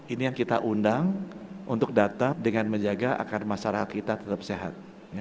ini yang kita undang untuk datang dengan menjaga agar masyarakat kita tetap sehat